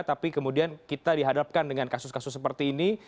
tapi kemudian kita dihadapkan dengan kasus kasus seperti ini